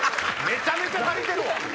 めちゃめちゃ足りてるわ！